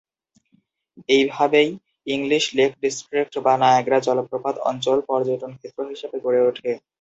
এইভাবেই English lake district বা Niagara জলপ্রপাত অঞ্চল পর্যটন ক্ষেত্র হিসেবে গড়ে ওঠে।